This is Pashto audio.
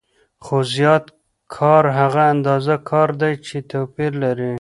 خو زیات کار هغه اندازه کار دی چې توپیر لري